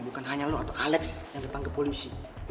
bukan hanya lo atau alex yang ditangkap polisi